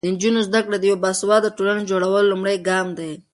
د نجونو زده کړه د یوې باسواده ټولنې د جوړولو لومړی ګام دی.